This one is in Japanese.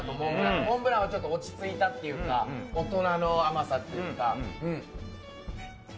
モンブランは落ち着いたっていうか大人の甘さっていうか。